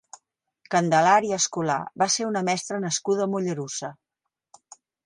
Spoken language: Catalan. Candelària Escolà va ser una mestra nascuda a Mollerussa.